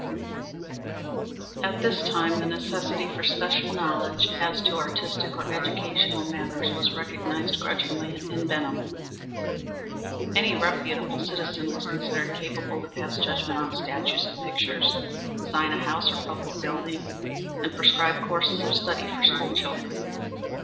At this time the necessity for special knowledge as to artistic or educational matters was recognized grudgingly in Benham. Any reputable citizen was considered capable to pass judgment on statues and pictures, design a house or public building, and prescribe courses of study for school children.